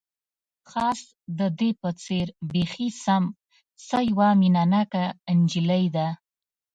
خاص د دې په څېر، بیخي سم، څه یوه مینه ناکه انجلۍ ده.